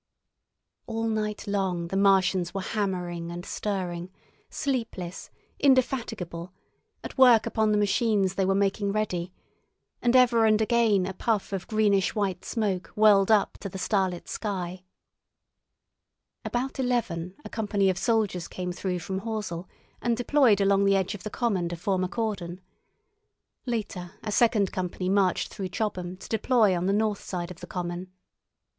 All night long the Martians were hammering and stirring, sleepless, indefatigable, at work upon the machines they were making ready, and ever and again a puff of greenish white smoke whirled up to the starlit sky. About eleven a company of soldiers came through Horsell, and deployed along the edge of the common to form a cordon. Later a second company marched through Chobham to deploy on the north side of the common.